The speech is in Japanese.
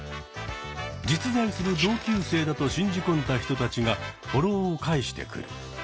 実在する同級生だと信じ込んだ人たちがフォローを返してくる。